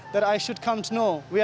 saya harus mengetahuinya